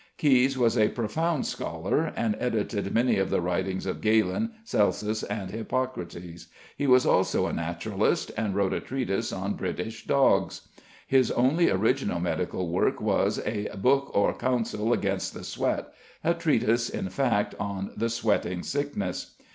Caius was a profound scholar, and edited many of the writings of Galen, Celsus, and Hippocrates. He was also a naturalist, and wrote a treatise on British Dogs. His only original medical work was a "Boke or Counsel against the Sweat" a treatise, in fact, on the sweating sickness.